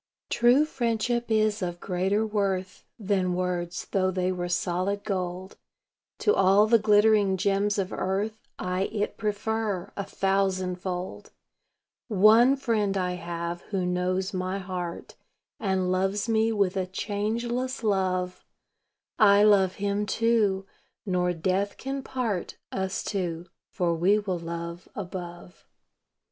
True friendship is of greater worth Than words, though they were solid gold. To all the glittering gems of earth I it prefer, a thousandfold. One Friend I have who knows my heart, And loves me with a changeless love; I love Him, too nor death can part Us two, for we will love above.